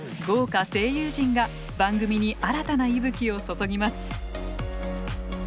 豪華声優陣が番組に新たな息吹を注ぎます。